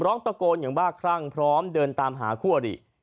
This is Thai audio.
ร้องตะโกนอย่างบ้าครั่งพร้อมเดินตามหาคู่อริ